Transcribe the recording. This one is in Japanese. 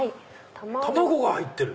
卵が入ってる！